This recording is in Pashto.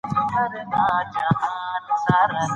زه به دا پوښتنه له شاهانو کوم.